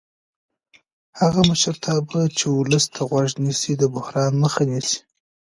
هغه مشرتابه چې ولس ته غوږ نیسي د بحران مخه نیسي